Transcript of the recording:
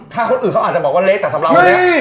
คนอื่นเขาอาจจะบอกว่าเล็กแต่สำหรับเราเนี่ย